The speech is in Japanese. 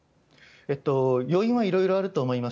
要因はいろいろあると思います。